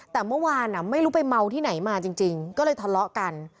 แต่เมื่อวานไม่รู้ไปเมาที่ไหนมาจริงก็เลยทะเลาะกัน